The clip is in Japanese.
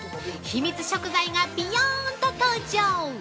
秘密食材がびよーんと登場！